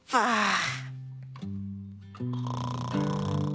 ああ。